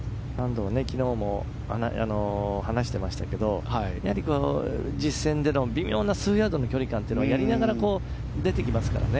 昨日も話していましたけど実戦での微妙な数ヤードの距離感はやりながら、出てきますからね。